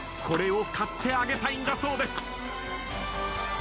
これを買ってあげたいんだそうです。